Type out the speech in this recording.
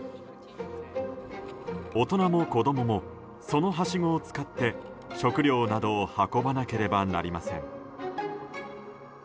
大人も子供もそのはしごを使って食料などを運ばなければなりません。